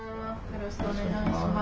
よろしくお願いします。